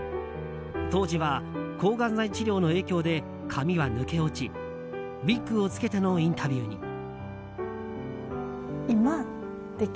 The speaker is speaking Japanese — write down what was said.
当時は、抗がん剤治療の影響で髪は抜け落ちウィッグをつけてのインタビューに。